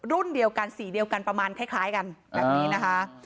รุ่นเดียวกันสีเดียวกันประมาณคล้ายกันแบบนี้นะคะ